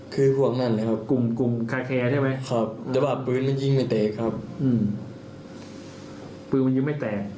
คือพวกนั้นหม่อครับครับพื้นมันยิงไม่แตกครับอืมปืนมันยึดไม่แตก